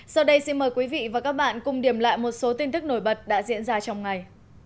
sau đây xin mời quý vị và các bạn cùng điểm lại một số tin tức nổi bật đã diễn ra trong ngày